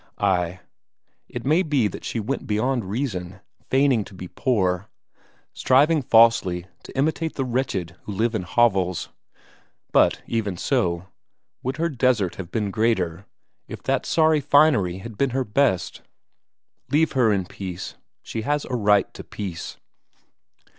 Ay, it may be that she went beyond reason, feigning to be poor, striving falsely to imitate the wretched who live in hovels; but even so would her desert have been greater if that sorry finery had been her best? Leave her in peace; she has a right to peace!